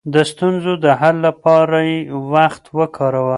د ستونزو د حل لپاره يې وخت ورکاوه.